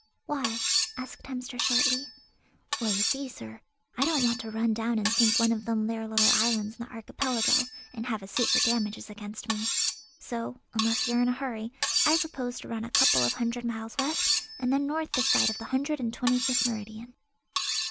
"Why?" asked Hemster shortly. "Well, you see, sir, I don't want to run down and sink one of them there little islands in the Archipelago, and have a suit for damages against me; so, unless you're in a hurry I propose to run a couple of hundred miles west, and then north this side of the hundred and twenty fifth meridian."